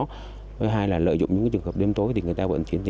thứ hai là lợi dụng những trường hợp đêm tối thì người ta vẫn kiểm tra